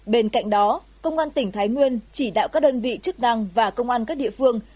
bên cạnh đó công an tỉnh thái nguyên chỉ đạo các đơn vị chức năng và công an các địa phương